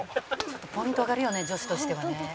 「ポイント上がるよね女子としてはね」